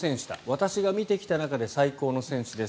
私が見てきた中で最高の選手です。